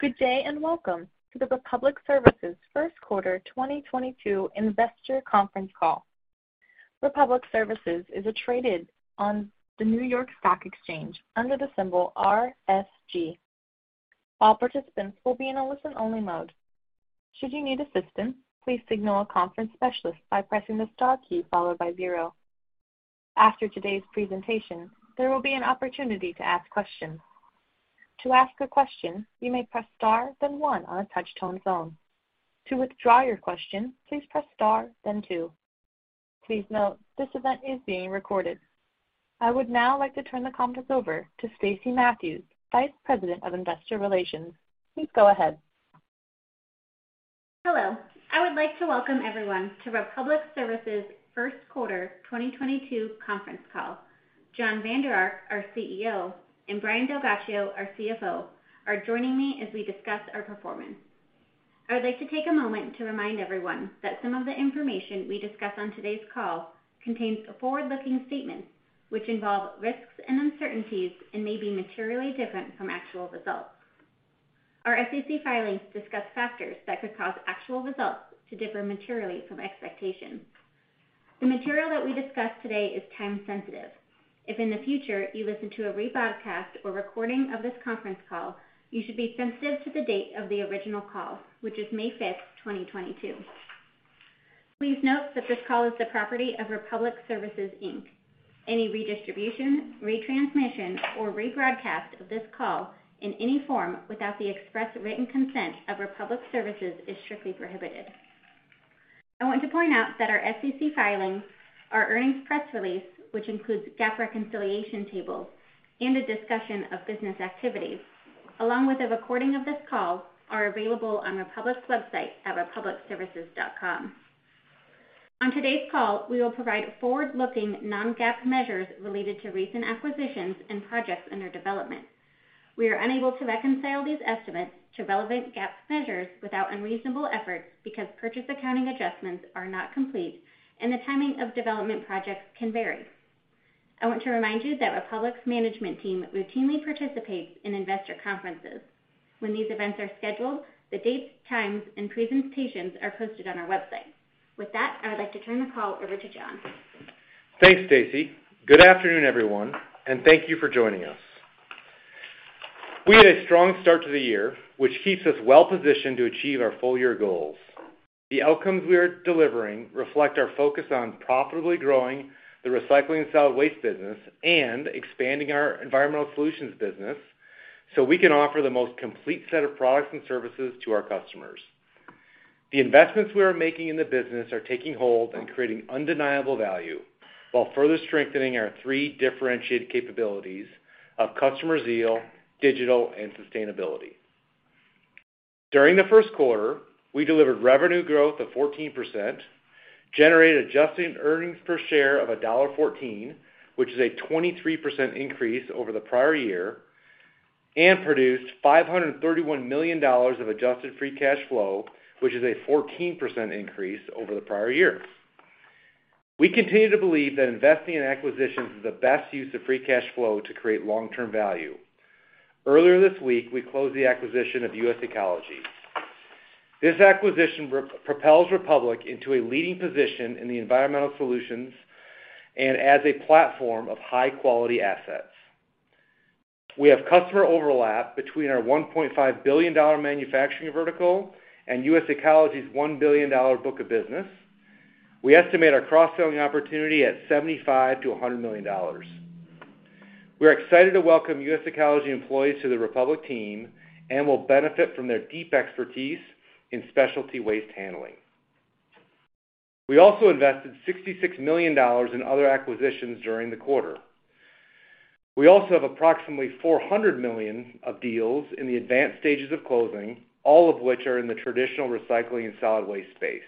Good day, and welcome to the Republic Services First Quarter 2022 Investor Conference Call. Republic Services is traded on the New York Stock Exchange under the symbol RSG. All participants will be in a listen-only mode. Should you need assistance, please signal a conference specialist by pressing the star key followed by zero. After today's presentation, there will be an opportunity to ask questions. To ask a question, you may press star, then one on a touch-tone phone. To withdraw your question, please press star, then two. Please note, this event is being recorded. I would now like to turn the conference over to Stacey Mathews, Vice President of Investor Relations. Please go ahead. Hello. I would like to welcome everyone to Republic Services' First Quarter 2022 Conference Call. Jon Vander Ark, our CEO, and Brian DelGhiaccio, our CFO, are joining me as we discuss our performance. I would like to take a moment to remind everyone that some of the information we discuss on today's call contains forward-looking statements, which involve risks and uncertainties and may be materially different from actual results. Our SEC filings discuss factors that could cause actual results to differ materially from expectations. The material that we discuss today is time-sensitive. If in the future you listen to a rebroadcast or recording of this conference call, you should be sensitive to the date of the original call, which is May 5th, 2022. Please note that this call is the property of Republic Services, Inc. Any redistribution, retransmission, or rebroadcast of this call in any form without the express written consent of Republic Services is strictly prohibited. I want to point out that our SEC filings, our earnings press release, which includes GAAP reconciliation tables and a discussion of business activities, along with a recording of this call, are available on Republic's website at republicservices.com. On today's call, we will provide forward-looking Non-GAAP measures related to recent acquisitions and projects under development. We are unable to reconcile these estimates to relevant GAAP measures without unreasonable efforts because purchase accounting adjustments are not complete and the timing of development projects can vary. I want to remind you that Republic's Management Team routinely participates in investor conferences. When these events are scheduled, the dates, times, and presentations are posted on our website. With that, I would like to turn the call over to Jon Vander Ark. Thanks, Stacey. Good afternoon, everyone, and thank you for joining us. We had a strong start to the year, which keeps us well-positioned to achieve our full-year goals. The outcomes we are delivering reflect our focus on profitably growing the recycling and solid waste business and expanding our environmental solutions business so we can offer the most complete set of products and services to our customers. The investments we are making in the business are taking hold and creating undeniable value while further strengthening our three differentiated capabilities of customer zeal, digital, and sustainability. During the first quarter, we delivered revenue growth of 14%, generated adjusted earnings per share of $1.14, which is a 23% increase over the prior year, and produced $531 million of adjusted free cash flow, which is a 14% increase over the prior year. We continue to believe that investing in acquisitions is the best use of free cash flow to create long-term value. Earlier this week, we closed the acquisition of US Ecology. This acquisition propels Republic into a leading position in the environmental solutions and adds a platform of high-quality assets. We have customer overlap between our $1.5 billion manufacturing vertical and US Ecology's $1 billion book of business. We estimate our cross-selling opportunity at $75 million-$100 million. We're excited to welcome US Ecology employees to the Republic team and will benefit from their deep expertise in specialty waste handling. We also invested $66 million in other acquisitions during the quarter. We also have approximately $400 million of deals in the advanced stages of closing, all of which are in the traditional recycling and solid waste space.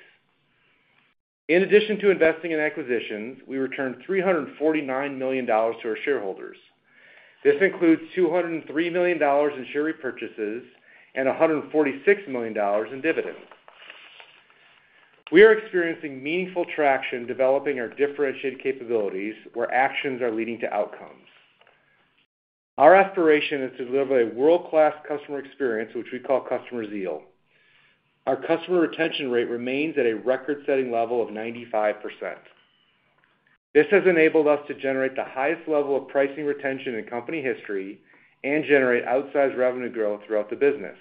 In addition to investing in acquisitions, we returned $349 million to our shareholders. This includes $203 million in share repurchases and $146 million in dividends. We are experiencing meaningful traction developing our differentiated capabilities where actions are leading to outcomes. Our aspiration is to deliver a world-class customer experience, which we call Customer Zeal. Our customer retention rate remains at a record-setting level of 95%. This has enabled us to generate the highest level of pricing retention in company history and generate outsized revenue growth throughout the business.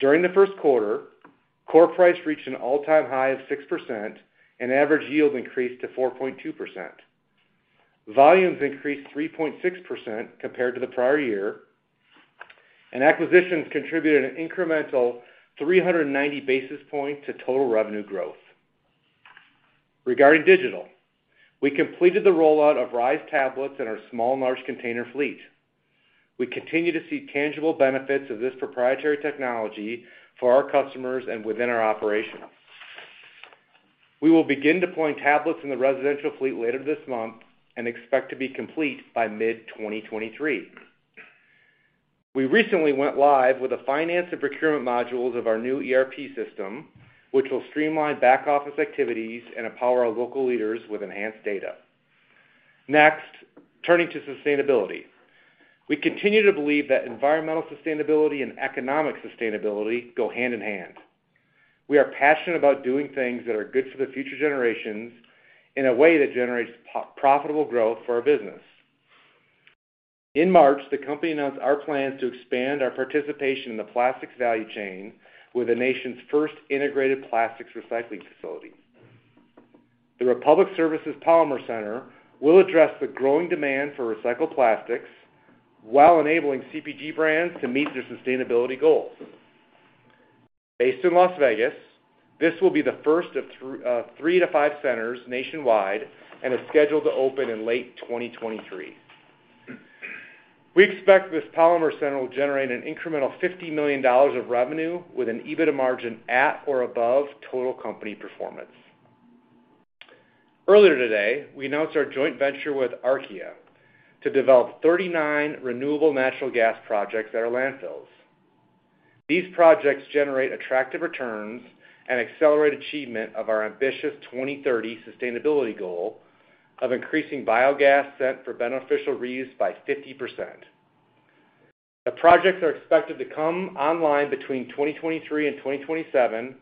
During the first quarter, core price reached an all-time high of 6% and average yield increased to 4.2%. Volumes increased 3.6% compared to the prior year, and acquisitions contributed an incremental 390 basis points to total revenue growth. Regarding digital, we completed the rollout of RISE tablets in our small and large container fleet. We continue to see tangible benefits of this proprietary technology for our customers and within our operations. We will begin deploying tablets in the residential fleet later this month and expect to be complete by mid-2023. We recently went live with the finance and procurement modules of our new ERP system, which will streamline back-office activities and empower our local leaders with enhanced data. Next, turning to sustainability. We continue to believe that environmental sustainability and economic sustainability go hand in hand. We are passionate about doing things that are good for the future generations in a way that generates profitable growth for our business. In March, the company announced our plans to expand our participation in the plastics value chain with the nation's first integrated plastics recycling facility. The Republic Services Polymer Center will address the growing demand for recycled plastics while enabling CPG brands to meet their sustainability goals. Based in Las Vegas, this will be the first of three to five centers nationwide and is scheduled to open in late 2023. We expect this Polymer Center will generate an incremental $50 million of revenue with an EBITDA margin at or above total company performance. Earlier today, we announced our joint venture with Archaea to develop 39 renewable natural gas projects at our landfills. These projects generate attractive returns and accelerate achievement of our ambitious 2030 sustainability goal of increasing biogas sent for beneficial reuse by 50%. The projects are expected to come online between 2023 and 2027,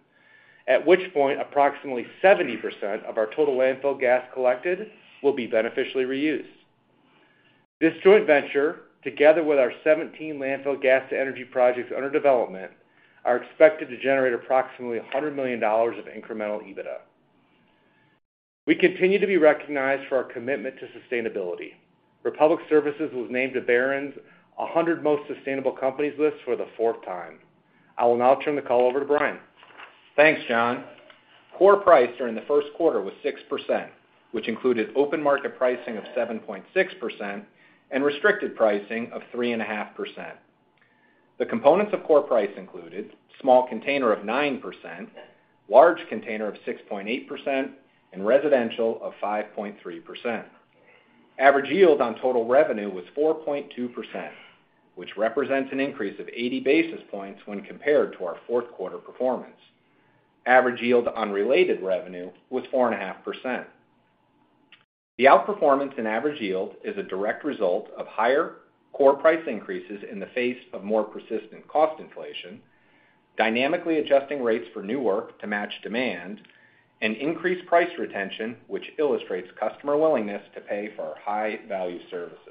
at which point approximately 70% of our total landfill gas collected will be beneficially reused. This joint venture, together with our 17 landfill gas to energy projects under development, are expected to generate approximately $100 million of incremental EBITDA. We continue to be recognized for our commitment to sustainability. Republic Services was named to Barron's 100 Most Sustainable Companies list for the fourth time. I will now turn the call over to Brian. Thanks, Jon. Core price during the first quarter was 6%, which included open market pricing of 7.6% and restricted pricing of 3.5%. The components of core price included small container of 9%, large container of 6.8%, and residential of 5.3%. Average yield on total revenue was 4.2%, which represents an increase of 80 basis points when compared to our fourth quarter performance. Average yield on related revenue was 4.5%. The outperformance in average yield is a direct result of higher core price increases in the face of more persistent cost inflation, dynamically adjusting rates for new work to match demand, and increased price retention, which illustrates customer willingness to pay for our high-value services.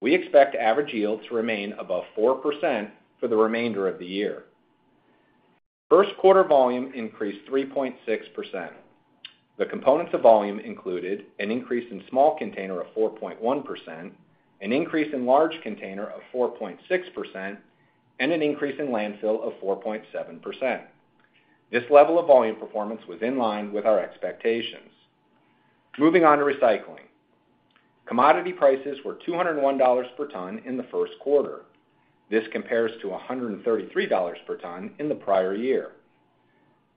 We expect average yield to remain above 4% for the remainder of the year. First quarter volume increased 3.6%. The components of volume included an increase in small container of 4.1%, an increase in large container of 4.6%, and an increase in landfill of 4.7%. This level of volume performance was in line with our expectations. Moving on to recycling. Commodity prices were $201 per ton in the first quarter. This compares to $133 per ton in the prior year.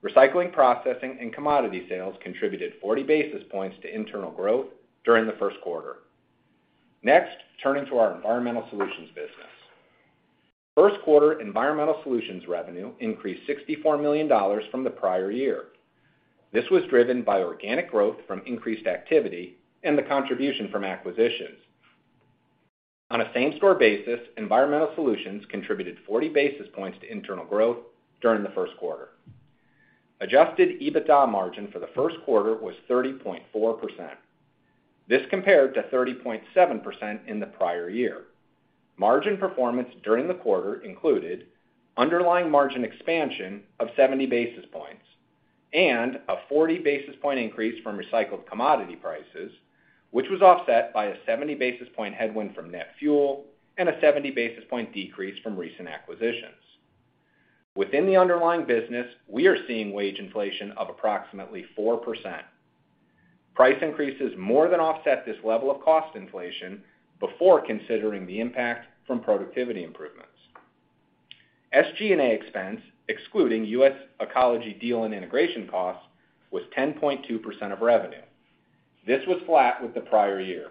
Recycling, processing, and commodity sales contributed 40 basis points to internal growth during the first quarter. Next, turning to our environmental solutions business. First quarter environmental solutions revenue increased $64 million from the prior year. This was driven by organic growth from increased activity and the contribution from acquisitions. On a same-store basis, environmental solutions contributed 40 basis points to internal growth during the first quarter. Adjusted EBITDA margin for the first quarter was 30.4%. This compared to 30.7% in the prior year. Margin performance during the quarter included underlying margin expansion of 70 basis points and a 40 basis point increase from recycled commodity prices, which was offset by a 70 basis point headwind from net fuel and a 70 basis point decrease from recent acquisitions. Within the underlying business, we are seeing wage inflation of approximately 4%. Price increases more than offset this level of cost inflation before considering the impact from productivity improvements. SG&A expense, excluding US Ecology deal and integration costs, was 10.2% of revenue. This was flat with the prior year.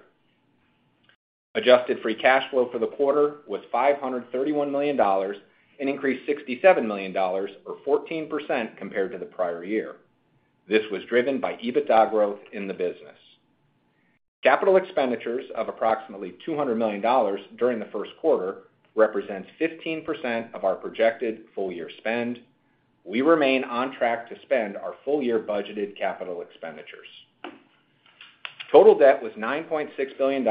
Adjusted free cash flow for the quarter was $531 million and increased $67 million or 14% compared to the prior year. This was driven by EBITDA growth in the business. Capital expenditures of approximately $200 million during the first quarter represents 15% of our projected full year spend. We remain on track to spend our full year budgeted capital expenditures. Total debt was $9.6 billion,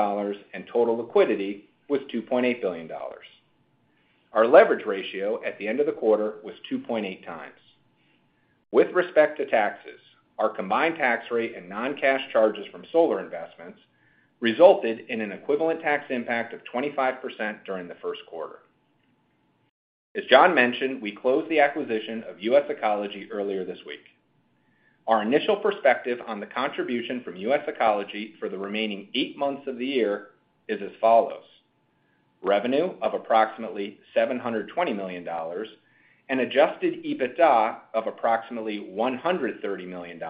and total liquidity was $2.8 billion. Our leverage ratio at the end of the quarter was 2.8x. With respect to taxes, our combined tax rate and non-cash charges from solar investments resulted in an equivalent tax impact of 25% during the first quarter. As Jon mentioned, we closed the acquisition of US Ecology earlier this week. Our initial perspective on the contribution from US Ecology for the remaining eight months of the year is as follows: revenue of approximately $720 million and Adjusted EBITDA of approximately $130 million,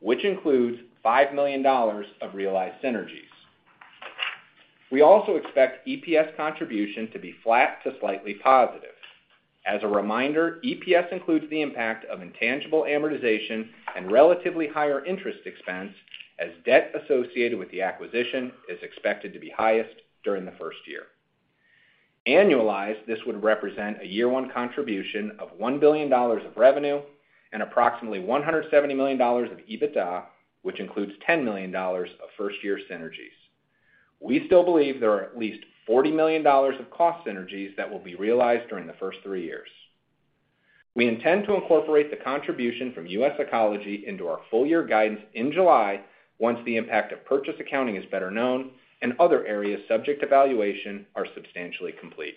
which includes $5 million of realized synergies. We also expect EPS contribution to be flat to slightly positive. As a reminder, EPS includes the impact of intangible amortization and relatively higher interest expense as debt associated with the acquisition is expected to be highest during the first year. Annualized, this would represent a year-one contribution of $1 billion of revenue and approximately $170 million of EBITDA, which includes $10 million of first-year synergies. We still believe there are at least $40 million of cost synergies that will be realized during the first three years. We intend to incorporate the contribution from US Ecology into our full year guidance in July once the impact of purchase accounting is better known and other areas subject to valuation are substantially complete.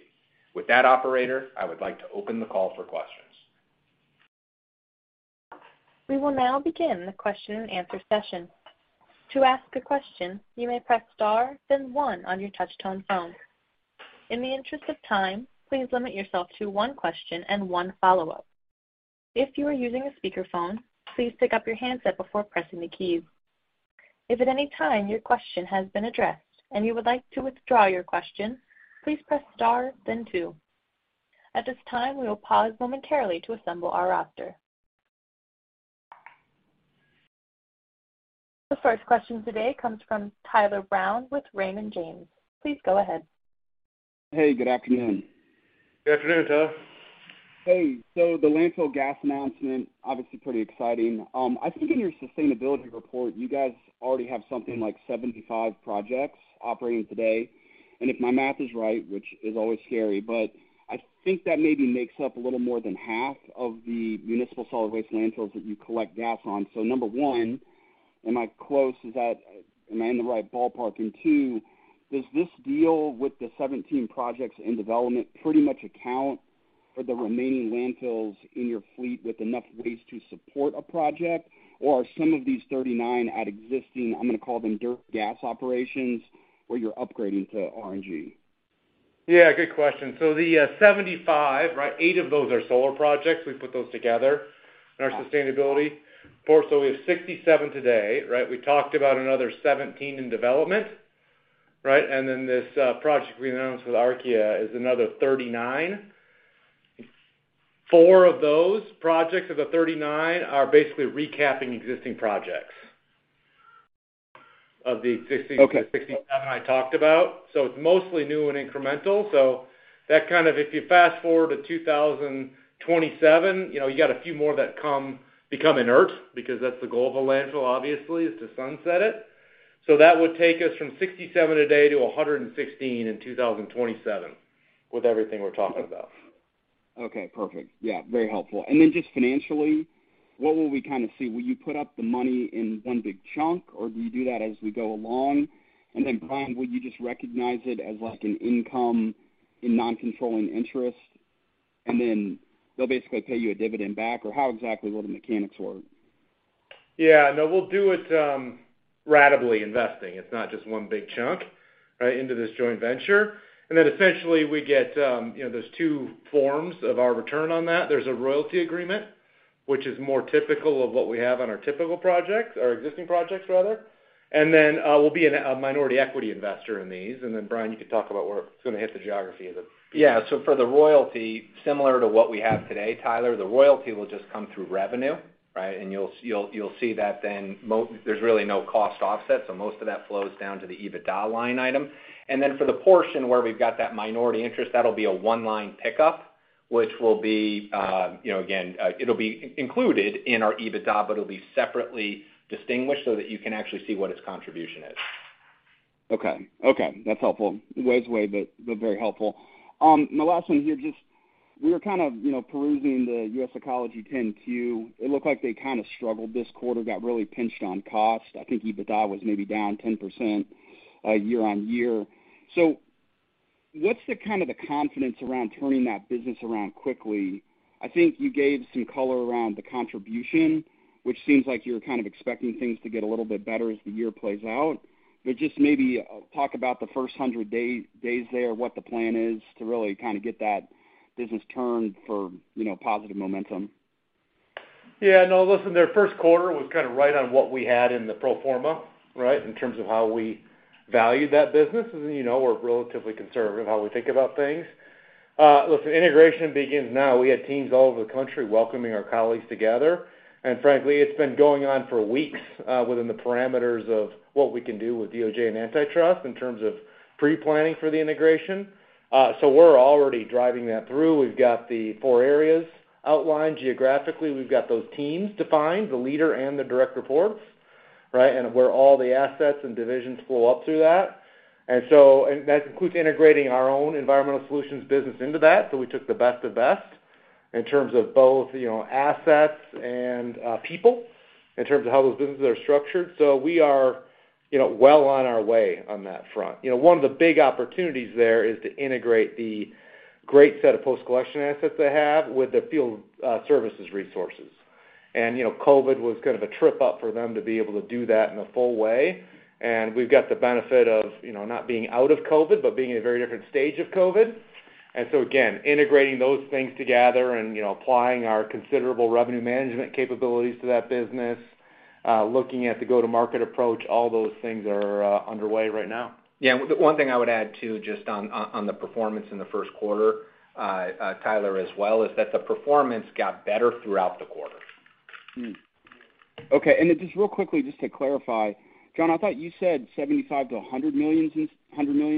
With that, operator, I would like to open the call for questions. We will now begin the question and answer session. To ask a question, you may press star, then one on your touch-tone phone. In the interest of time, please limit yourself to one question and one follow-up. If you are using a speakerphone, please pick up your handset before pressing the key. If at any time your question has been addressed and you would like to withdraw your question, please press star then two. At this time, we will pause momentarily to assemble our roster. The first question today comes from Tyler Brown with Raymond James. Please go ahead. Hey, good afternoon. Good afternoon, Tyler. Hey. The landfill gas announcement, obviously pretty exciting. I think in your sustainability report, you guys already have something like 75 projects operating today. If my math is right, which is always scary, but I think that maybe makes up a little more than half of the municipal solid waste landfills that you collect gas on. Number one, am I close? Am I in the right ballpark? Two, does this deal with the 17 projects in development pretty much account for the remaining landfills in your fleet with enough waste to support a project, or are some of these 39 at existing, I'm gonna call them dirt gas operations, where you're upgrading to RNG? Yeah, good question. The 75, right, eight of those are solar projects. We put those together in our sustainability. We have 67 today, right? We talked about another 17 in development, right? This project we announced with Archaea is another 39. Four of those projects of the 39 are basically recapping existing projects of the Okay. 67 I talked about. It's mostly new and incremental. That kind of, if you fast-forward to 2027, you know, you got a few more that become inert because that's the goal of a landfill, obviously, is to sunset it. That would take us from 67 a day to 116 in 2027 with everything we're talking about. Okay, perfect. Yeah, very helpful. Then just financially, what will we kinda see? Will you put up the money in one big chunk, or do you do that as we go along? Then, Brian, will you just recognize it as like an income in non-controlling interest, and then they'll basically pay you a dividend back? Or how exactly will the mechanics work? Yeah. No, we'll do it ratably investing. It's not just one big chunk, right, into this joint venture. Essentially we get, you know, there's two forms of our return on that. There's a royalty agreement, which is more typical of what we have on our typical projects, or existing projects rather. We'll be a minority equity investor in these. Brian, you can talk about where it's gonna hit the geography. Yeah. For the royalty, similar to what we have today, Tyler, the royalty will just come through revenue, right? You'll see that then there's really no cost offset, so most of that flows down to the EBITDA line item. Then for the portion where we've got that minority interest, that'll be a one-line pickup, which will be, you know, again, it'll be included in our EBITDA, but it'll be separately distinguished so that you can actually see what its contribution is. Okay. Okay, that's helpful. That was way, but very helpful. My last one here, just we were kind of, you know, perusing the US Ecology 10-Q. It looked like they kinda struggled this quarter, got really pinched on cost. I think EBITDA was maybe down 10%, year-over-year. What's the kind of confidence around turning that business around quickly? I think you gave some color around the contribution, which seems like you're kind of expecting things to get a little bit better as the year plays out. Just maybe talk about the first 100 days there, what the plan is to really kinda get that business turned for, you know, positive momentum. Yeah, no, listen, their first quarter was kinda right on what we had in the pro forma, right, in terms of how we valued that business. As you know, we're relatively conservative how we think about things. Listen, integration begins now. We had teams all over the country welcoming our colleagues together. Frankly, it's been going on for weeks, within the parameters of what we can do with DOJ and antitrust in terms of pre-planning for the integration. We're already driving that through. We've got the four areas outlined geographically. We've got those teams defined, the leader and the direct reports, right, and where all the assets and divisions flow up through that. That includes integrating our own environmental solutions business into that. We took the best of best in terms of both, you know, assets and, people, in terms of how those businesses are structured. We are, you know, well on our way on that front. You know, one of the big opportunities there is to integrate the great set of post-collection assets they have with the field, services resources. You know, COVID was kind of a trip up for them to be able to do that in a full way. We've got the benefit of, you know, not being out of COVID, but being in a very different stage of COVID. Again, integrating those things together and, you know, applying our considerable revenue management capabilities to that business. Looking at the go-to-market approach, all those things are underway right now. Yeah. One thing I would add too, just on the performance in the first quarter, Tyler, as well, is that the performance got better throughout the quarter. Okay. Just real quickly, just to clarify, Jon, I thought you said $75 million-$100 million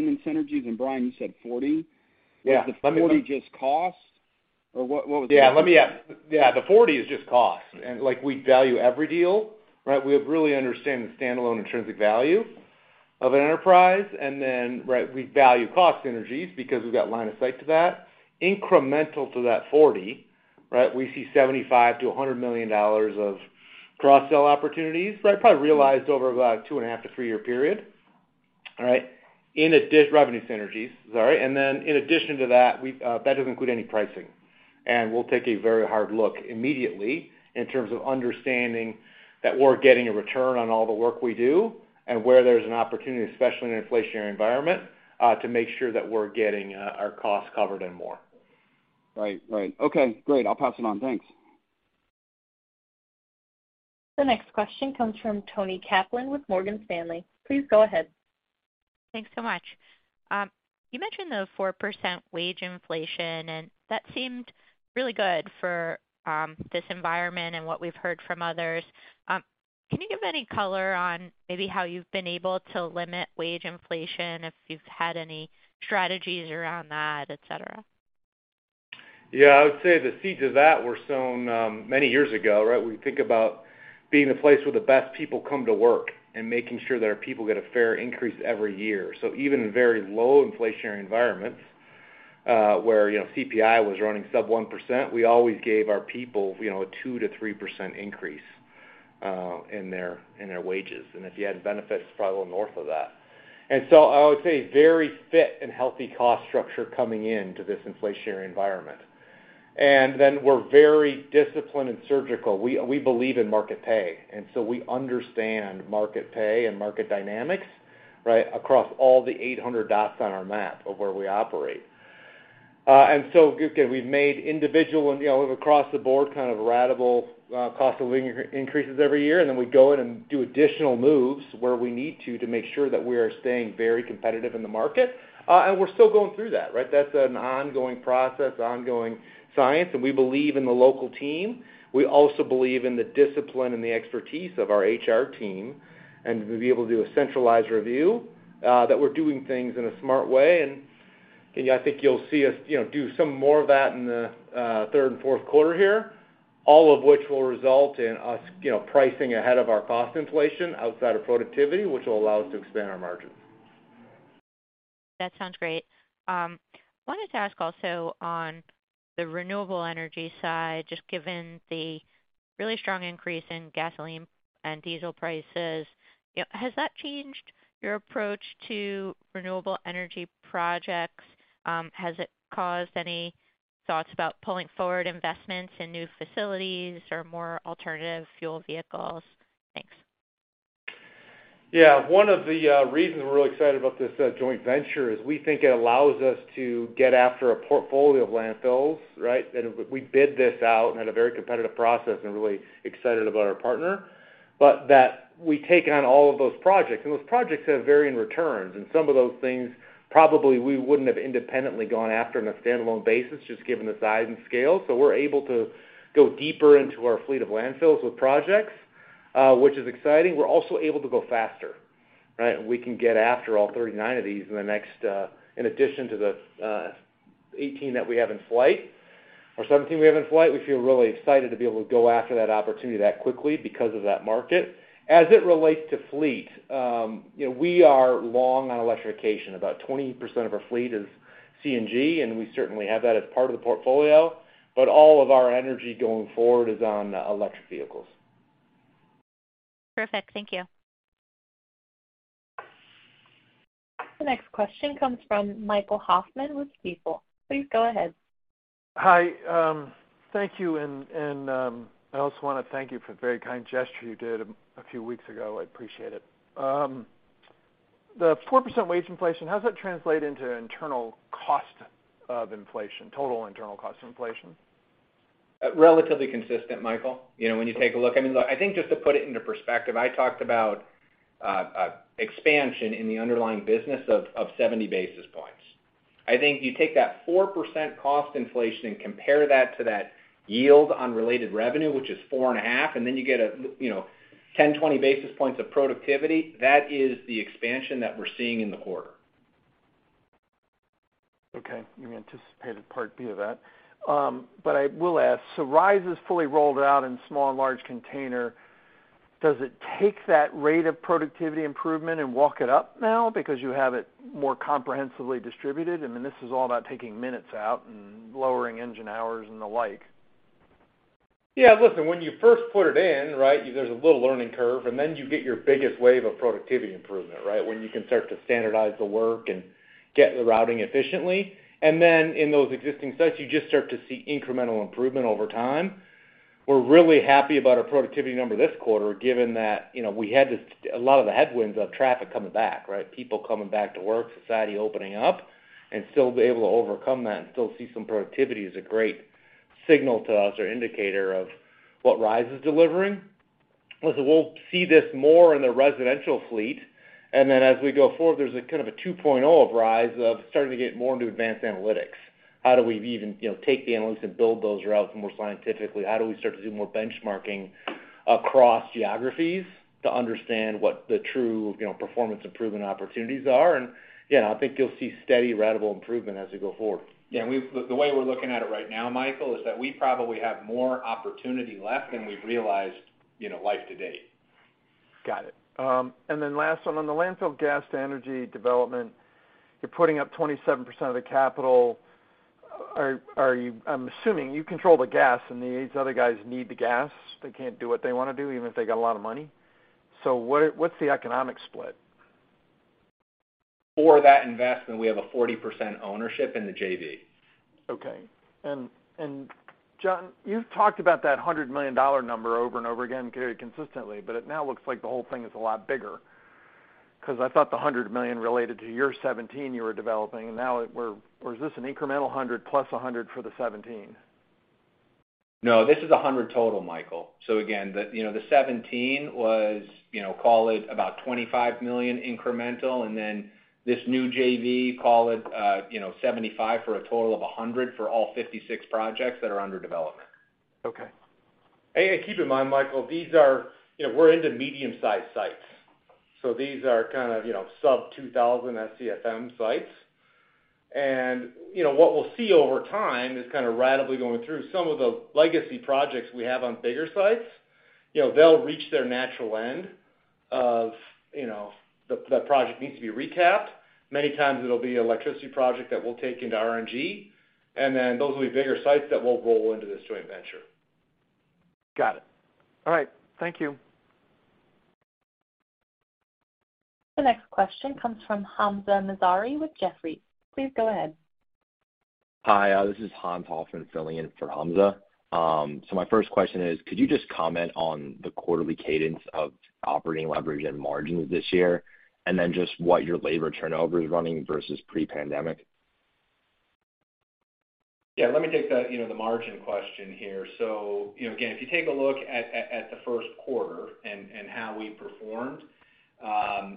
in synergies, and Brian, you said $40 million. Yeah. Is the $40 million just cost? Or what was Yeah. The $40 million is just cost. Like, we value every deal, right? We really understand the standalone intrinsic value of an enterprise, and then, right, we value cost synergies because we've got line of sight to that. Incremental to that $40 million, right, we see $75 million-$100 million of cross-sell opportunities, right? Probably realized over about a two and a half to three year period. All right? Revenue synergies. Sorry. Then in addition to that doesn't include any pricing. We'll take a very hard look immediately in terms of understanding that we're getting a return on all the work we do and where there's an opportunity, especially in an inflationary environment, to make sure that we're getting our costs covered and more. Right. Okay, great. I'll pass it on. Thanks. The next question comes from Toni Kaplan with Morgan Stanley. Please go ahead. Thanks so much. You mentioned the 4% wage inflation, and that seemed really good for this environment and what we've heard from others. Can you give any color on maybe how you've been able to limit wage inflation, if you've had any strategies around that, et cetera? Yeah. I would say the seeds of that were sown many years ago, right? We think about being the place where the best people come to work and making sure that our people get a fair increase every year. Even in very low inflationary environments, where, you know, CPI was running sub 1%, we always gave our people, you know, a 2%-3% increase in their wages. If you add benefits, it's probably north of that. I would say very fit and healthy cost structure coming into this inflationary environment. We're very disciplined and surgical. We believe in market pay, and so we understand market pay and market dynamics, right, across all the 800 dots on our map of where we operate. Again, we've made individual and, you know, across the board kind of ratable cost of living increases every year, and then we go in and do additional moves where we need to make sure that we are staying very competitive in the market. We're still going through that, right? That's an ongoing process, ongoing science, and we believe in the local team. We also believe in the discipline and the expertise of our HR team and to be able to do a centralized review that we're doing things in a smart way. I think you'll see us, you know, do some more of that in the third and fourth quarter here, all of which will result in us, you know, pricing ahead of our cost inflation outside of productivity, which will allow us to expand our margins. That sounds great. Wanted to ask also on the renewable energy side, just given the really strong increase in gasoline and diesel prices, you know, has that changed your approach to renewable energy projects? Has it caused any thoughts about pulling forward investments in new facilities or more alternative fuel vehicles? Thanks. Yeah. One of the reasons we're really excited about this joint venture is we think it allows us to get after a portfolio of landfills, right? We bid this out in a very competitive process and really excited about our partner. That we take on all of those projects, and those projects have varying returns, and some of those things probably we wouldn't have independently gone after on a standalone basis, just given the size and scale. We're able to go deeper into our fleet of landfills with projects, which is exciting. We're also able to go faster, right? We can get after all 39 of these. In addition to the 17 we have in flight. We feel really excited to be able to go after that opportunity that quickly because of that market. As it relates to fleet, you know, we are long on electrification. About 20% of our fleet is CNG, and we certainly have that as part of the portfolio, but all of our energy going forward is on electric vehicles. Perfect. Thank you. The next question comes from Michael Hoffman with Stifel. Please go ahead. Hi. Thank you. I also wanna thank you for the very kind gesture you did a few weeks ago. I appreciate it. The 4% wage inflation, how does that translate into internal cost of inflation, total internal cost inflation? Relatively consistent, Michael. You know, when you take a look. I mean, look, I think just to put it into perspective, I talked about expansion in the underlying business of 70 basis points. I think you take that 4% cost inflation and compare that to that yield on related revenue, which is 4.5, and then you get a, you know, 10-20 basis points of productivity, that is the expansion that we're seeing in the quarter. Okay. You anticipated part B of that. I will ask, so RISE is fully rolled out in small and large container. Does it take that rate of productivity improvement and walk it up now because you have it more comprehensively distributed? I mean, this is all about taking minutes out and lowering engine hours and the like. Yeah. Listen, when you first put it in, right, there's a little learning curve, and then you get your biggest wave of productivity improvement, right? When you can start to standardize the work and get the routing efficiently. Then in those existing sites, you just start to see incremental improvement over time. We're really happy about our productivity number this quarter, given that, you know, we had this, a lot of the headwinds of traffic coming back, right? Stifel coming back to work, society opening up, and still be able to overcome that and still see some productivity is a great signal to us or indicator of what RISE is delivering. Listen, we'll see this more in the residential fleet. Then as we go forward, there's a kind of a 2.0 of RISE starting to get more into advanced analytics. How do we even, you know, take the analytics and build those routes more scientifically? How do we start to do more benchmarking across geographies to understand what the true, you know, performance improvement opportunities are? Yeah, I think you'll see steady ratable improvement as we go forward. Yeah, the way we're looking at it right now, Michael, is that we probably have more opportunity left than we've realized, you know, life to date. Got it. Last one. On the landfill gas to energy development, you're putting up 27% of the capital. Are you? I'm assuming you control the gas, and these other guys need the gas. They can't do what they wanna do, even if they got a lot of money. What’s the economic split? For that investment, we have a 40% ownership in the JV. Okay. Jon, you've talked about that $100 million number over and over again very consistently, but it now looks like the whole thing is a lot bigger. 'Cause I thought the $100 million related to your 17 you were developing, and now or is this an incremental $100 million plus a $100 million for the 17? No, this is 100 total, Michael. So again, the you know the 17 was, you know, call it about $25 million incremental, and then this new JV, call it, you know, 75 for a total of 100 for all 56 projects that are under development. Okay. Keep in mind, Michael, these are. You know, we're into medium-sized sites. These are kind of, you know, sub-2,000 SCFM sites. You know, what we'll see over time is kinda ratably going through some of the legacy projects we have on bigger sites. You know, they'll reach their natural end of, you know, the project needs to be recapped. Many times it'll be an electricity project that we'll take into RNG, and then those will be bigger sites that we'll roll into this joint venture. Got it. All right. Thank you. The next question comes from Hamzah Mazari with Jefferies. Please go ahead. Hi, this is Hans Hoffman filling in for Hamzah. My first question is, could you just comment on the quarterly cadence of operating leverage and margins this year, and then just what your labor turnover is running versus pre-pandemic? Yeah, let me take that, you know, the margin question here. You know, again, if you take a look at the first quarter and how we performed,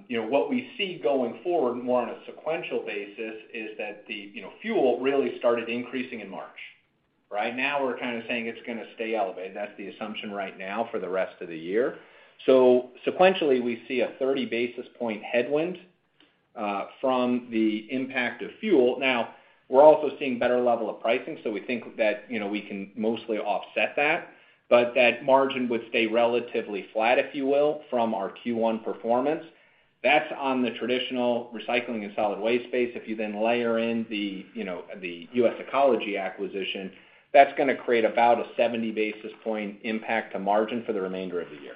you know, what we see going forward more on a sequential basis is that the, you know, fuel really started increasing in March, right? Now we're kinda saying it's gonna stay elevated. That's the assumption right now for the rest of the year. Sequentially, we see a 30 basis point headwind from the impact of fuel. Now we're also seeing better level of pricing, so we think that, you know, we can mostly offset that. That margin would stay relatively flat, if you will, from our Q1 performance. That's on the traditional recycling and solid waste space. If you then layer in the, you know, the US Ecology acquisition, that's gonna create about a 70 basis points impact to margin for the remainder of the year.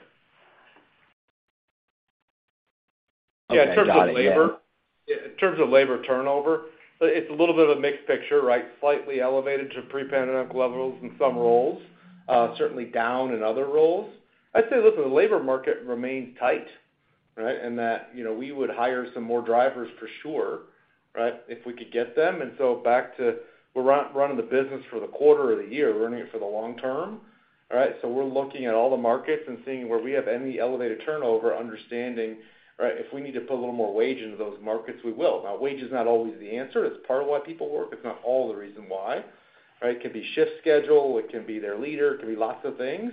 Okay. Got it. Yeah. Yeah, in terms of labor, in terms of labor turnover, it's a little bit of a mixed picture, right? Slightly elevated to pre-pandemic levels in some roles, certainly down in other roles. I'd say, listen, the labor market remains tight, right? In that, you know, we would hire some more drivers for sure, right, if we could get them. Back to we're running the business for the quarter or the year, we're running it for the long term, right? We're looking at all the markets and seeing where we have any elevated turnover, understanding, right, if we need to put a little more wage into those markets, we will. Now wage is not always the answer. It's part of why people work. It's not all the reason why, right? It could be shift schedule, it can be their leader, it could be lots of things.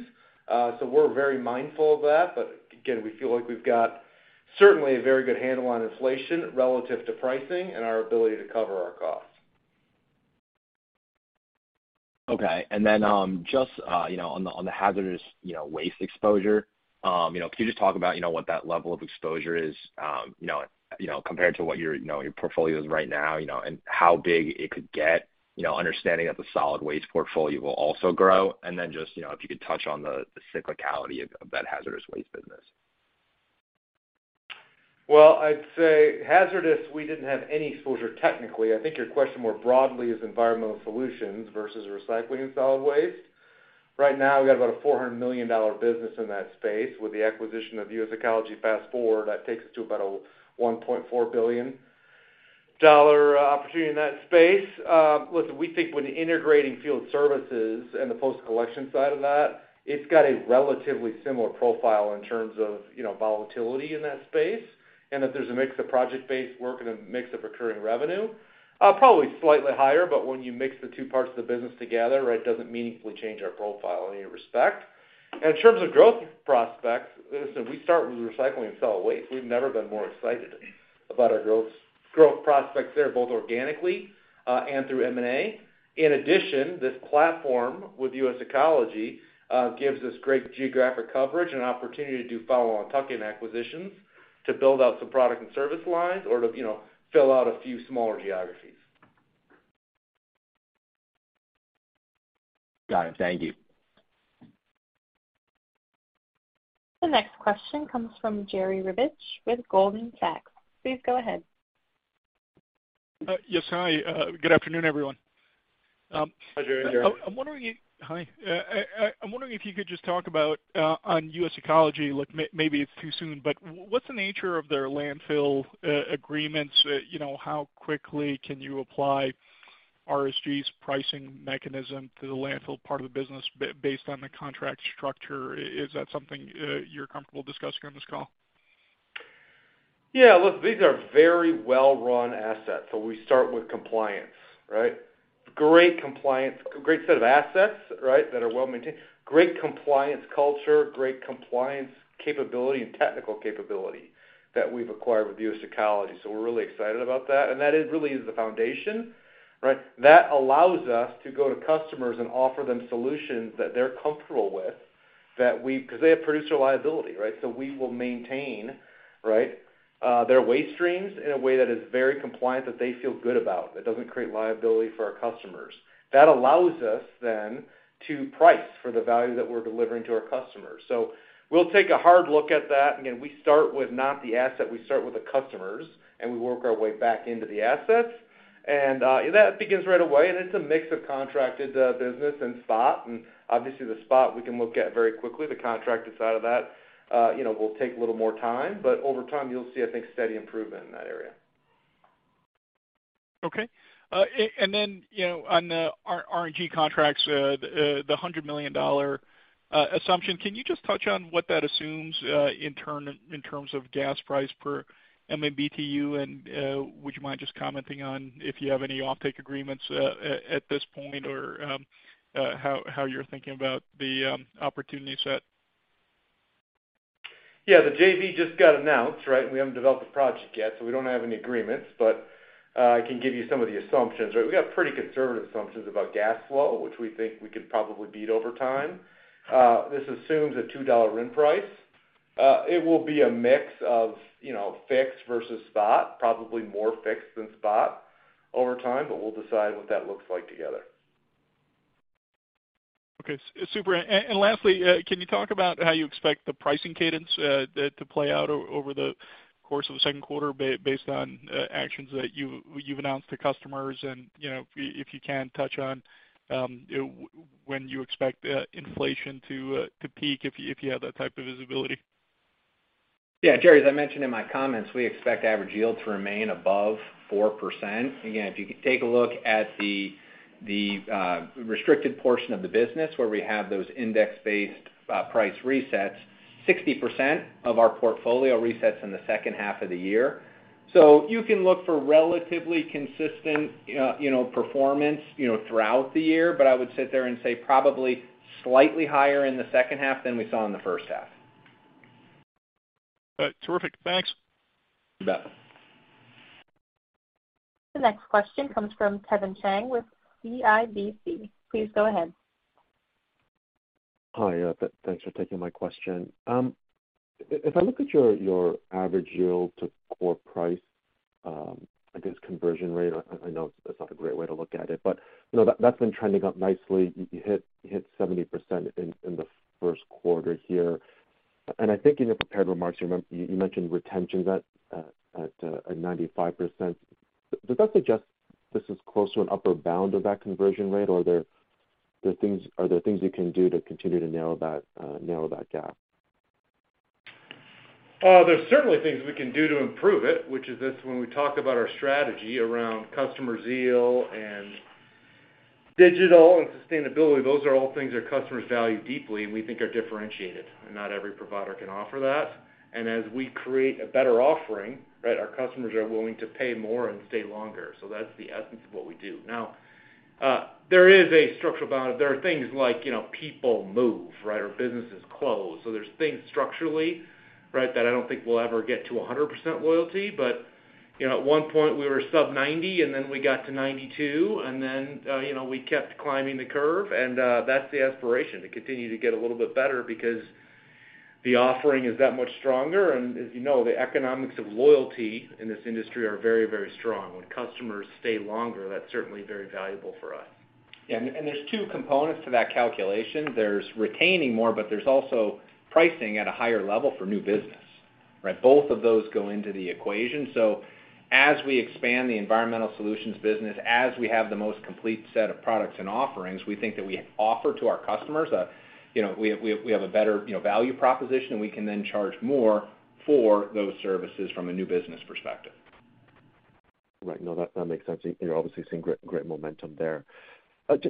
We're very mindful of that. Again, we feel like we've got certainly a very good handle on inflation relative to pricing and our ability to cover our costs. Okay. Then, just, you know, on the hazardous, you know, waste exposure, you know, can you just talk about, you know, what that level of exposure is, you know, compared to what your, you know, your portfolio is right now, you know, and how big it could get, you know, understanding that the solid waste portfolio will also grow. Then just, you know, if you could touch on the cyclicality of that hazardous waste business. Well, I'd say hazardous, we didn't have any exposure technically. I think your question more broadly is environmental solutions versus recycling and solid waste. Right now, we got about a $400 million business in that space. With the acquisition of US Ecology fast forward, that takes us to about a $1.4 billion opportunity in that space. Listen, we think when integrating field services and the post-collection side of that, it's got a relatively similar profile in terms of, you know, volatility in that space, and that there's a mix of project-based work and a mix of recurring revenue. Probably slightly higher, but when you mix the two parts of the business together, right, it doesn't meaningfully change our profile in any respect. In terms of growth prospects, listen, we start with recycling and solid waste. We've never been more excited about our growth prospects there, both organically and through M&A. In addition, this platform with US Ecology gives us great geographic coverage and opportunity to do follow-on tuck-in acquisitions to build out some product and service lines or to, you know, fill out a few smaller geographies. Got it. Thank you. The next question comes from Jerry Revich with Goldman Sachs. Please go ahead. Yes, hi. Good afternoon, everyone. Hi, Jerry. Hi, Jerry. I'm wondering if you could just talk about on US Ecology. Look, maybe it's too soon, but what's the nature of their landfill agreements? You know, how quickly can you apply RSG's pricing mechanism to the landfill part of the business based on the contract structure. Is that something you're comfortable discussing on this call? Yeah. Look, these are very well-run assets. We start with compliance, right? Great compliance, great set of assets, right, that are well-maintained. Great compliance culture, great compliance capability and technical capability that we've acquired with US Ecology. We're really excited about that, and that is really the foundation, right? That allows us to go to customers and offer them solutions that they're comfortable with, that we, 'cause they have producer liability, right? We will maintain, right, their waste streams in a way that is very compliant, that they feel good about, that doesn't create liability for our customers. That allows us then to price for the value that we're delivering to our customers. We'll take a hard look at that. Again, we start with not the asset, we start with the customers, and we work our way back into the assets. That begins right away, and it's a mix of contracted business and spot. Obviously, the spot we can look at very quickly. The contracted side of that, you know, will take a little more time. Over time, you'll see, I think, steady improvement in that area. Okay. Then, you know, on the RNG contracts, the $100 million assumption, can you just touch on what that assumes in terms of gas price per MMBtu? Would you mind just commenting on if you have any offtake agreements at this point or how you're thinking about the opportunity set? Yeah. The JV just got announced, right? We haven't developed the project yet, so we don't have any agreements. I can give you some of the assumptions, right? We got pretty conservative assumptions about gas flow, which we think we could probably beat over time. This assumes a $2 RIN price. It will be a mix of, you know, fixed versus spot, probably more fixed than spot over time, but we'll decide what that looks like together. Okay. Super. Lastly, can you talk about how you expect the pricing cadence to play out over the course of the second quarter based on actions that you've announced to customers? You know, if you can touch on when you expect inflation to peak, if you have that type of visibility. Yeah. Jerry, as I mentioned in my comments, we expect average yield to remain above 4%. Again, if you could take a look at the restricted portion of the business where we have those index-based price resets, 60% of our portfolio resets in the second half of the year. You can look for relatively consistent, you know, performance, you know, throughout the year, but I would sit there and say probably slightly higher in the second half than we saw in the first half. Terrific. Thanks. You bet. The next question comes from Kevin Chiang with CIBC. Please go ahead. Hi. Thanks for taking my question. If I look at your average yield to core price, I guess, conversion rate, I know that's not a great way to look at it, but, you know, that's been trending up nicely. You hit 70% in the first quarter here. I think in your prepared remarks, you mentioned retention at 95%. Does that suggest this is close to an upper bound of that conversion rate, or are there things you can do to continue to narrow that gap? There's certainly things we can do to improve it, which is this, when we talk about our strategy around customer zeal and digital and sustainability, those are all things our customers value deeply, and we think are differentiated, and not every provider can offer that. As we create a better offering, right, our customers are willing to pay more and stay longer. That's the essence of what we do. Now, there is a structural bound. There are things like, you know, people move, right, or businesses close. There's things structurally, right, that I don't think we'll ever get to 100% loyalty. You know, at one point we were sub 90, and then we got to 92, and then, you know, we kept climbing the curve. That's the aspiration, to continue to get a little bit better because the offering is that much stronger. As you know, the economics of loyalty in this industry are very, very strong. When customers stay longer, that's certainly very valuable for us. Yeah. There's two components to that calculation. There's retaining more, but there's also pricing at a higher level for new business, right? Both of those go into the equation. As we expand the environmental solutions business, as we have the most complete set of products and offerings, we think that we offer to our customers, you know, we have a better, you know, value proposition, and we can then charge more for those services from a new business perspective. Right. No, that makes sense. You're obviously seeing great momentum there.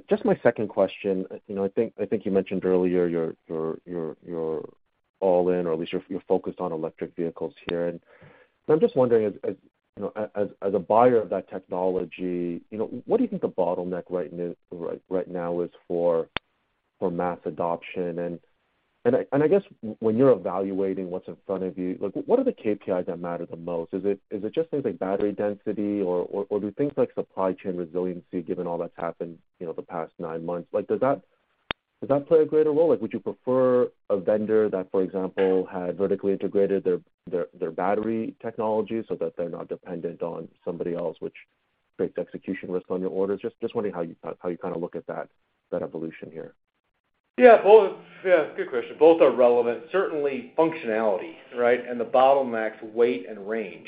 Just my second question. You know, I think you mentioned earlier you're all in, or at least you're focused on electric vehicles here. I'm just wondering, as you know, as a buyer of that technology, you know, what do you think the bottleneck right now is for mass adoption? I guess when you're evaluating what's in front of you, like, what are the KPIs that matter the most? Is it just things like battery density, or do things like supply chain resiliency, given all that's happened, you know, the past nine months, like, does that play a greater role? Like, would you prefer a vendor that, for example, had vertically integrated their battery technology so that they're not dependent on somebody else, which creates execution risk on your orders? Just wondering how you kinda look at that evolution here. Yeah. Both. Yeah, good question. Both are relevant. Certainly functionality, right? And the bottlenecks, weight and range,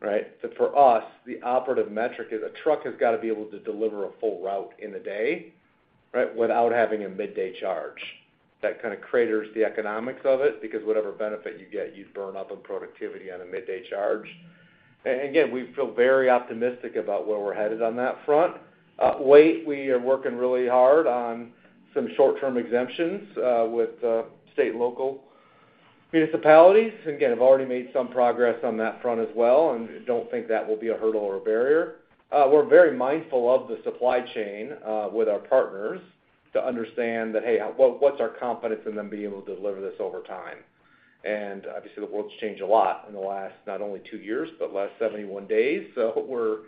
right? For us, the operative metric is a truck has gotta be able to deliver a full route in a day, right? Without having a midday charge. That kind of craters the economics of it because whatever benefit you get, you burn up in productivity on a midday charge. And again, we feel very optimistic about where we're headed on that front. Weight, we are working really hard on some short-term exemptions with the state and local municipalities. Again, I've already made some progress on that front as well and don't think that will be a hurdle or a barrier. We're very mindful of the supply chain with our partners to understand that, hey, what's our confidence in them being able to deliver this over time? Obviously, the world's changed a lot in the last not only two years, but last 71 days. We're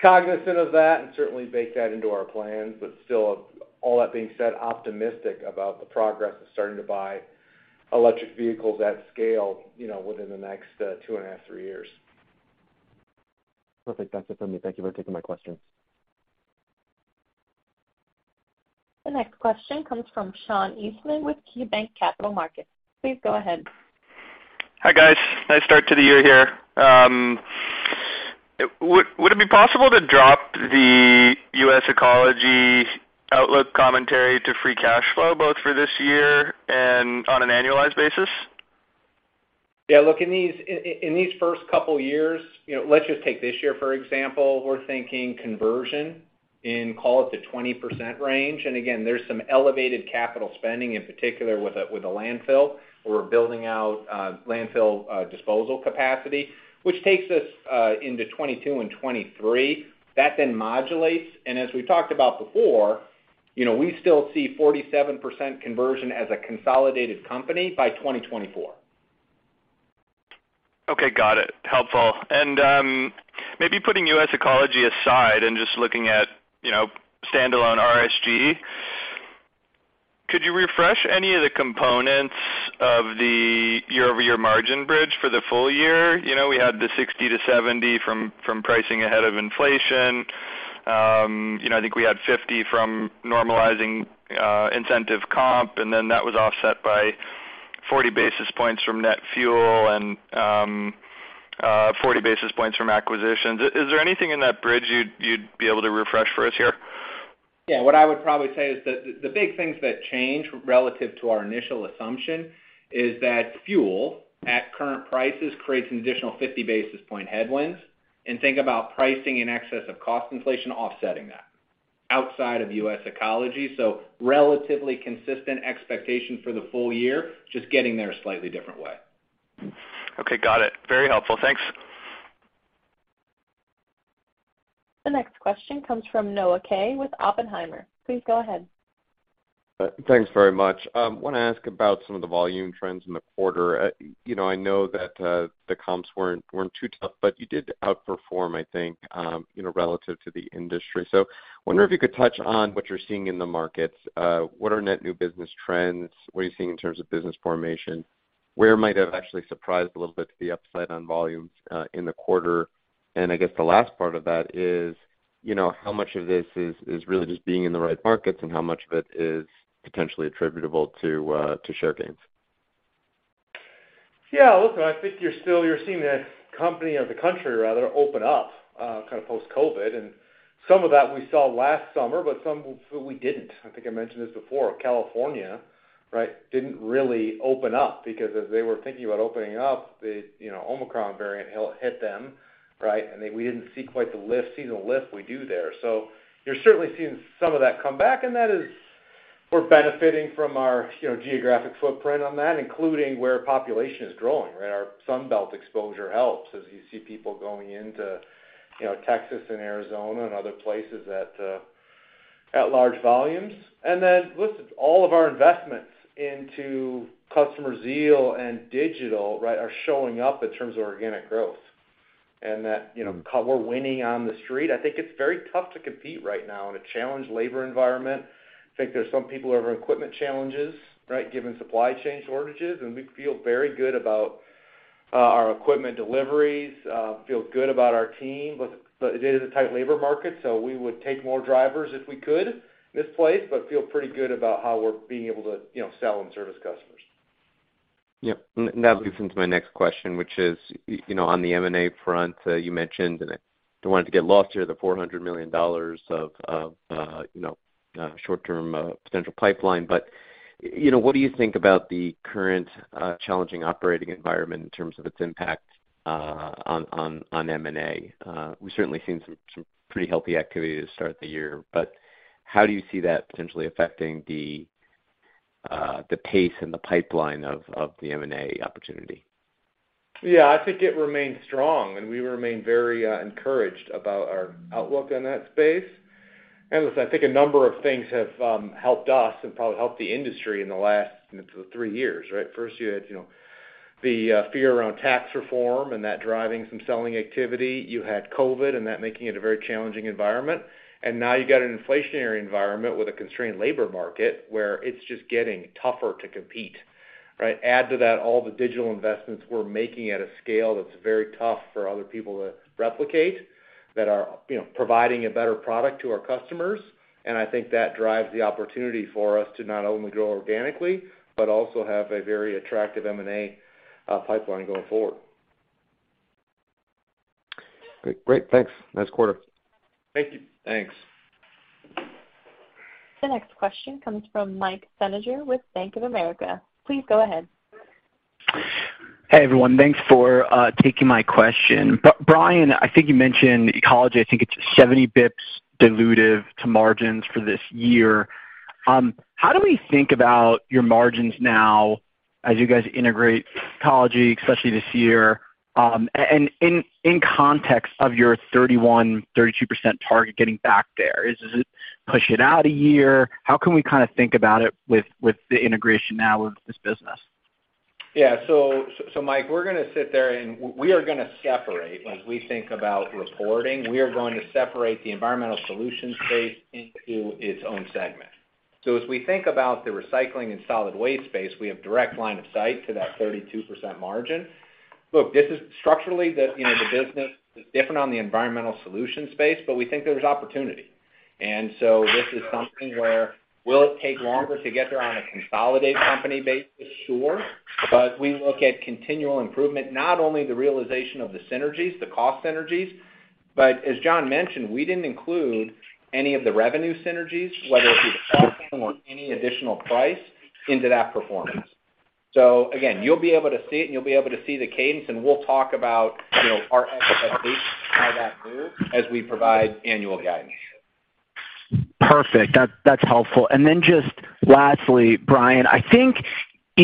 cognizant of that and certainly bake that into our plans. Still, all that being said, optimistic about the progress of starting to buy electric vehicles at scale, you know, within the next, two and a half three years. Perfect. That's it for me. Thank you for taking my questions. The next question comes from Sean Eastman with KeyBanc Capital Markets. Please go ahead. Hi, guys. Nice start to the year here. Would it be possible to drop the US Ecology outlook commentary to free cash flow, both for this year and on an annualized basis? Yeah. Look, in these first couple years, you know, let's just take this year, for example. We're thinking conversion in, call it, the 20% range. Again, there's some elevated capital spending, in particular with a landfill. We're building out landfill disposal capacity, which takes us into 2022 and 2023. That then modulates. As we talked about before, you know, we still see 47% conversion as a consolidated company by 2024. Okay. Got it. Helpful. Maybe putting US Ecology aside and just looking at, you know, standalone RSG, could you refresh any of the components of the year-over-year margin bridge for the full year? You know, we had the 60-70 from pricing ahead of inflation. You know, I think we had 50 from normalizing incentive comp, and then that was offset by 40 basis points from net fuel and 40 basis points from acquisitions. Is there anything in that bridge you'd be able to refresh for us here? Yeah. What I would probably say is the big things that change relative to our initial assumption is that fuel at current prices creates an additional 50 basis point headwind. Think about pricing in excess of cost inflation offsetting that outside of US Ecology. Relatively consistent expectation for the full year, just getting there a slightly different way. Okay. Got it. Very helpful. Thanks. The next question comes from Noah Kaye with Oppenheimer. Please go ahead. Thanks very much. Want to ask about some of the volume trends in the quarter. You know, I know that the comps weren't too tough, but you did outperform, I think, you know, relative to the industry. Wondering if you could touch on what you're seeing in the markets. What are net new business trends? What are you seeing in terms of business formation? Where might have actually surprised a little bit to the upside on volumes in the quarter? I guess the last part of that is, you know, how much of this is really just being in the right markets and how much of it is potentially attributable to share gains? Yeah. Look, I think you're seeing the company or the country rather open up, kind of post-COVID, and some of that we saw last summer, but some we didn't. I think I mentioned this before. California, right, didn't really open up because as they were thinking about opening up, you know, the Omicron variant hit them, right? We didn't see quite the lift, seasonal lift we do there. You're certainly seeing some of that come back, and that is we're benefiting from our, you know, geographic footprint on that, including where population is growing, right? Our Sun Belt exposure helps as you see people going into, you know, Texas and Arizona and other places at large volumes. Listen, all of our investments into customer zeal and digital, right, are showing up in terms of organic growth. That, you know, we're winning on the street. I think it's very tough to compete right now in a challenged labor environment. I think there's some people who have equipment challenges, right, given supply chain shortages. We feel very good about our equipment deliveries, feel good about our team. But it is a tight labor market, so we would take more drivers if we could in this place, but feel pretty good about how we're being able to, you know, sell and service customers. Yeah. That leads into my next question, which is, you know, on the M&A front, you mentioned, and I don't want it to get lost here, the $400 million of, you know, short-term potential pipeline. You know, what do you think about the current challenging operating environment in terms of its impact on M&A? We've certainly seen some pretty healthy activity to start the year, but how do you see that potentially affecting the pace and the pipeline of the M&A opportunity? Yeah. I think it remains strong, and we remain very encouraged about our outlook in that space. Listen, I think a number of things have helped us and probably helped the industry in the last three years, right? First, you had, you know, the fear around tax reform and that driving some selling activity. You had COVID and that making it a very challenging environment. Now you've got an inflationary environment with a constrained labor market where it's just getting tougher to compete, right? Add to that all the digital investments we're making at a scale that's very tough for other people to replicate, that are, you know, providing a better product to our customers. I think that drives the opportunity for us to not only grow organically, but also have a very attractive M&A pipeline going forward. Great. Thanks. Nice quarter. Thank you. Thanks. The next question comes from Mike Feniger with Bank of America. Please go ahead. Hey, everyone. Thanks for taking my question. Brian, I think you mentioned Ecology. I think it's 70 basis points dilutive to margins for this year. How do we think about your margins now as you guys integrate Ecology, especially this year? In context of your 31%-32% target getting back there. Is it push it out a year? How can we kind of think about it with the integration now of this business? Yeah. Mike, we're gonna sit there, and we are gonna separate. As we think about reporting, we are going to separate the environmental solution space into its own segment. As we think about the recycling and solid waste space, we have direct line of sight to that 32% margin. Look, this is structurally, you know, the business is different on the environmental solution space, but we think there's opportunity. This is something where will it take longer to get there on a consolidated company basis? Sure. We look at continual improvement, not only the realization of the synergies, the cost synergies, but as Jon mentioned, we didn't include any of the revenue synergies, whether it was cross-sell or any additional price into that performance. Again, you'll be able to see it and you'll be able to see the cadence, and we'll talk about, you know, our expectations, how that moves as we provide annual guidance. Perfect. That's helpful. Then just lastly, Brian, I think US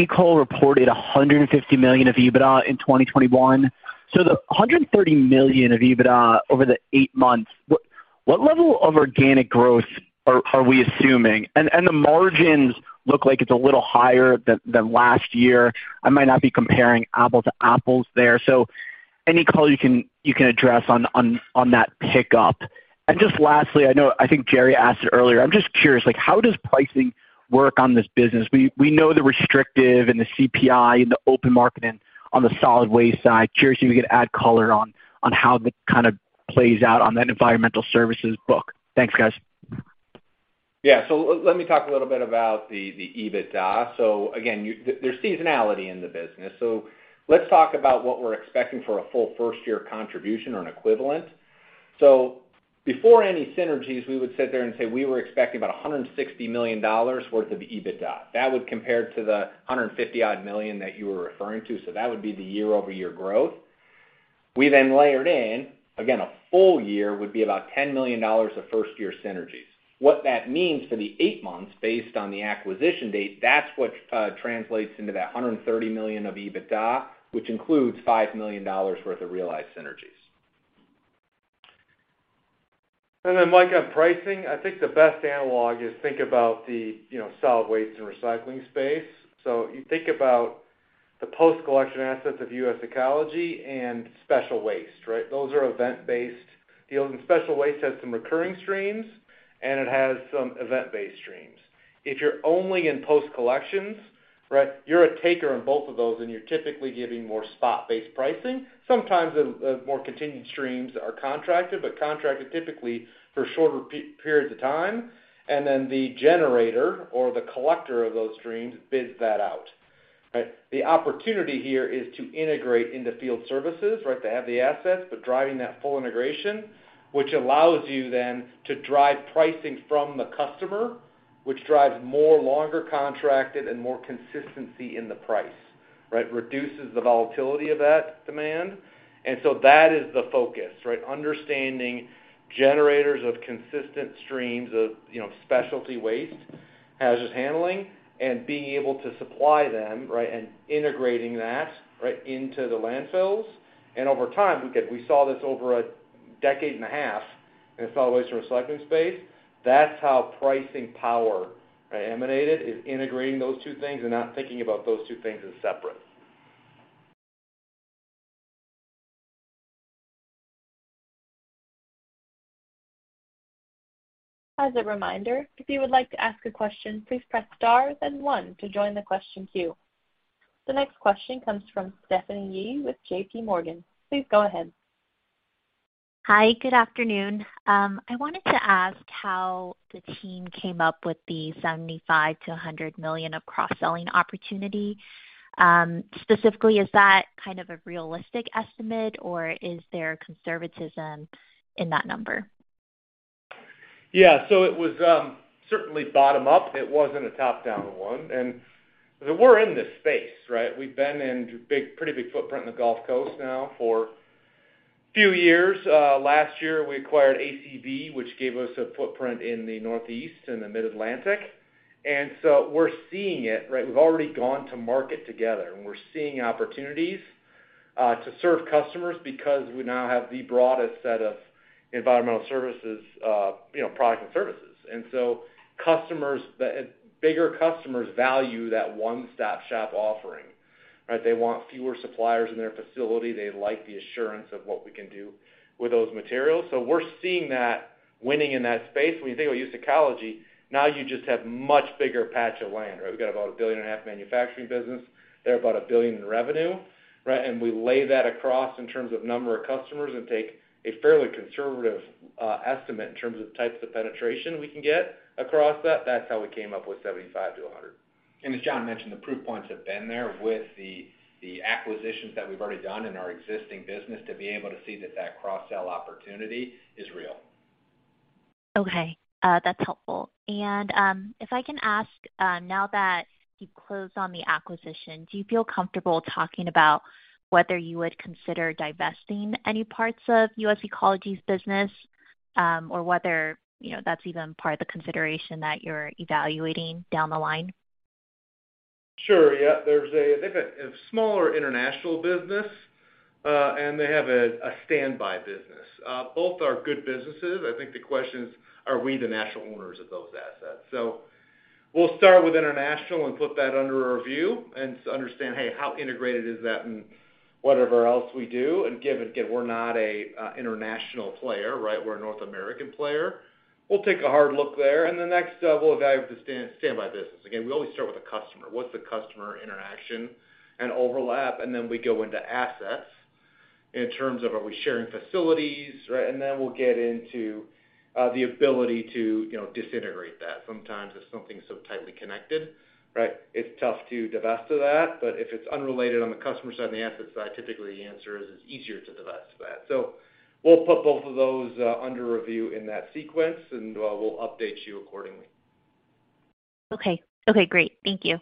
Ecology reported $150 million of EBITDA in 2021. So the $130 million of EBITDA over the eight months, what level of organic growth are we assuming? And the margins look like it's a little higher than last year. I might not be comparing apple to apples there. So any color you can address on that pickup. Just lastly, I know I think Jerry asked it earlier. I'm just curious, like how does pricing work on this business? We know the restricted and the CPI and the open market on the solid waste side. Curious if you could add color on how that kind of plays out on that environmental services book. Thanks, guys. Yeah. Let me talk a little bit about the EBITDA. Again, there's seasonality in the business. Let's talk about what we're expecting for a full first year contribution or an equivalent. Before any synergies, we would sit there and say we were expecting about $160 million worth of EBITDA. That would compare to the $150-odd million that you were referring to. That would be the year-over-year growth. We then layered in. Again, a full year would be about $10 million of first year synergies. What that means for the eight months based on the acquisition date, that's what translates into that $130 million of EBITDA, which includes $5 million worth of realized synergies. Then Mike, on pricing, I think the best analog is think about the, you know, solid waste and recycling space. You think about the post-collection assets of US Ecology and special waste, right? Those are event-based deals, and special waste has some recurring streams, and it has some event-based streams. If you're only in post-collections, right, you're a taker on both of those, and you're typically giving more spot-based pricing. Sometimes, more continued streams are contracted, but contracted typically for shorter periods of time. Then the generator or the collector of those streams bids that out, right? The opportunity here is to integrate into field services, right? To have the assets, but driving that full integration, which allows you then to drive pricing from the customer, which drives more longer contracted and more consistency in the price, right? Reduces the volatility of that demand. That is the focus, right? Understanding generators of consistent streams of, you know, specialty waste, hazardous handling, and being able to supply them, right, and integrating that, right, into the landfills. Over time, we saw this over a decade and a half in the solid waste and recycling space. That's how pricing power, right, emanated, is integrating those two things and not thinking about those two things as separate. As a reminder, if you would like to ask a question, please press star, then one to join the question queue. The next question comes from Stephanie Yee with JPMorgan. Please go ahead. Hi, good afternoon. I wanted to ask how the team came up with the $75 million-$100 million of cross-selling opportunity. Specifically, is that kind of a realistic estimate or is there conservatism in that number? Yeah. It was certainly bottom-up. It wasn't a top-down one. We're in this space, right? We've been in pretty big footprint in the Gulf Coast now for few years. Last year, we acquired ACV, which gave us a footprint in the Northeast and the Mid-Atlantic. We're seeing it, right? We've already gone to market together, and we're seeing opportunities to serve customers because we now have the broadest set of environmental services, you know, product and services. Customers, bigger customers value that one-stop shop offering, right? They want fewer suppliers in their facility. They like the assurance of what we can do with those materials. We're seeing that winning in that space. When you think about US Ecology, now you just have much bigger patch of land, right? We've got about a $1.5 billion manufacturing business. They're about $1 billion in revenue, right? We lay that across in terms of number of customers and take a fairly conservative estimate in terms of types of penetration we can get across that. That's how we came up with $75 million-$100 million. As Jon mentioned, the proof points have been there with the acquisitions that we've already done in our existing business to be able to see that cross-sell opportunity is real. Okay, that's helpful. If I can ask, now that you've closed on the acquisition, do you feel comfortable talking about whether you would consider divesting any parts of US Ecology's business, or whether, you know, that's even part of the consideration that you're evaluating down the line? Sure. Yeah. They have a smaller international business, and they have a standby business. Both are good businesses. I think the question is, are we the natural owners of those assets? We'll start with international and put that under review and understand, hey, how integrated is that in whatever else we do, and given, again, we're not an international player, right? We're a North American player. We'll take a hard look there, and then we'll evaluate the standby business. Again, we always start with the customer. What's the customer interaction and overlap? Then we go into assets in terms of are we sharing facilities, right? Then we'll get into the ability to, you know, disintegrate that. Sometimes if something's so tightly connected, right, it's tough to divest of that. If it's unrelated on the customer side and the asset side, typically the answer is it's easier to divest of that. We'll put both of those under review in that sequence, and we'll update you accordingly. Okay. Okay, great. Thank you.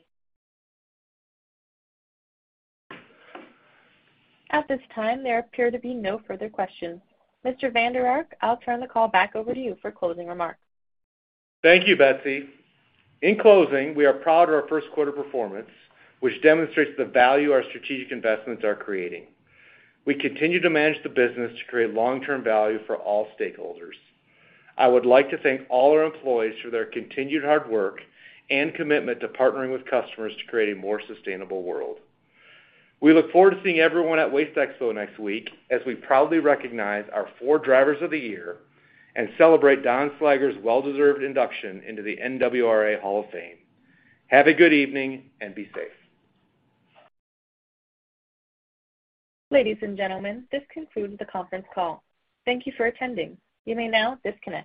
At this time, there appear to be no further questions. Mr. Vander Ark, I'll turn the call back over to you for closing remarks. Thank you, Betsy. In closing, we are proud of our first quarter performance, which demonstrates the value our strategic investments are creating. We continue to manage the business to create long-term value for all stakeholders. I would like to thank all our employees for their continued hard work and commitment to partnering with customers to create a more sustainable world. We look forward to seeing everyone at WasteExpo next week as we proudly recognize our four drivers of the year and celebrate Don Slager's well-deserved induction into the NWRA Hall of Fame. Have a good evening and be safe. Ladies and gentlemen, this concludes the conference call. Thank you for attending. You may now disconnect.